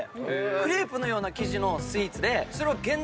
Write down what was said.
クレープのような生地のスイーツでそれを。